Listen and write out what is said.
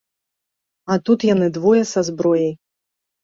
А тут яны, двое, са зброяй.